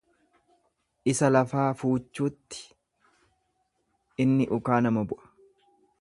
Isa lafaa fuuchuutti inni ukaa nama bu'a.